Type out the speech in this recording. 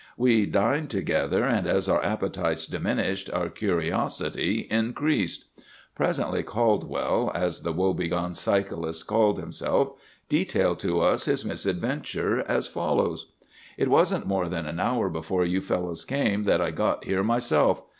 We dined together, and as our appetites diminished our curiosity increased. "Presently Caldwell, as the woe begone 'cyclist called himself, detailed to us his misadventure, as follows;— "'It wasn't more than an hour before you fellows came that I got here myself.